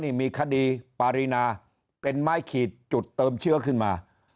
นี่มีคดีปารีนาเป็นไม้ขีดจุดเติมเชื้อขึ้นมา